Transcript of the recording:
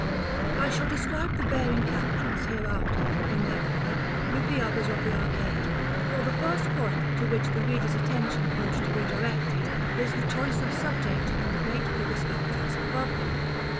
§ XXXIV. I shall describe the bearing capitals hereafter, in their order, with the others of the arcade; for the first point to which the reader's attention ought to be directed is the choice of subject in the great figure sculptures above them.